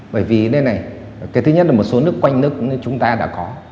bởi vì thế này cái thứ nhất là một số nước quanh nước chúng ta đã có